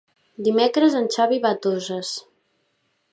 Dimecres en Xavi va a Toses.